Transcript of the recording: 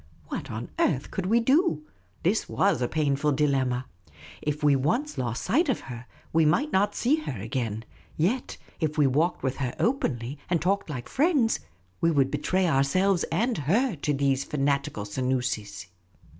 What on earth could we do ? This was a painful dilemma. If we once lost sight of her, we might not see her again. Yet if we walked with her openly, and talked like friends, we would betraj' ourselves, and her, to those fanatical Senoosis.